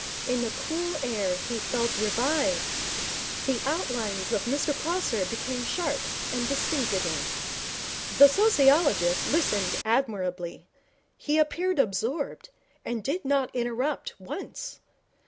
In the cool air he felt revived. The outlines of Mr Prosser became sharp and distinct again. The sociologist listened admirably. He appeared absorbed, and did not interrupt once.